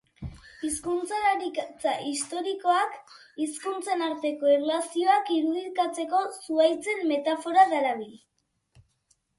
Hizkuntzalaritza historikoak hizkuntzen arteko erlazioak irudikatzeko zuhaitzen metafora darabil.